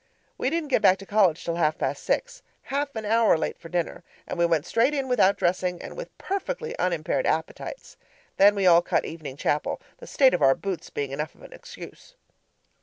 We didn't get back to college till half past six half an hour late for dinner and we went straight in without dressing, and with perfectly unimpaired appetites! Then we all cut evening chapel, the state of our boots being enough of an excuse.